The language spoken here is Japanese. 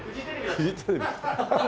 フジテレビか。